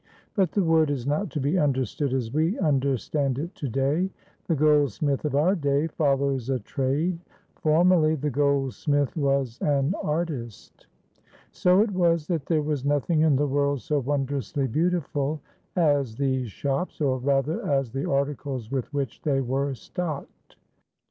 But the word is not to be understood as we under stand it to day. The goldsmith of our day follows a trade; formerly, the goldsmith was an artist. So it was that there was nothing in the world so won drously beautiful as these shops, or rather as the articles with which they were stocked.